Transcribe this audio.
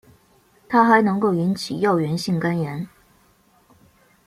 它还能够引起药源性肝炎。